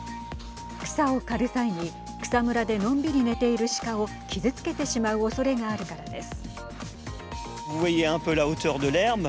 草を刈る際に草むらでのんびり寝ているシカを傷つけてしまうおそれがあるからです。